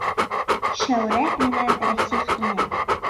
Шәүрә менән Рәсих инә.